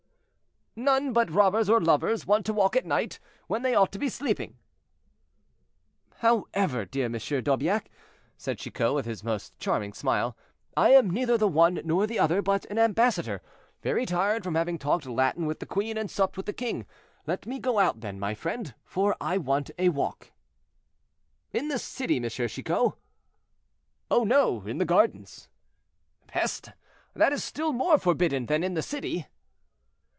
"None but robbers or lovers want to walk at night, when they ought to be sleeping." "However, dear M. d'Aubiac," said Chicot, with his most charming smile, "I am neither the one nor the other, but an ambassador, very tired from having talked Latin with the queen and supped with the king; let me go out then, my friend, for I want a walk." "In the city, M. Chicot?" "Oh no! in the gardens." "Peste! that is still more forbidden than in the city."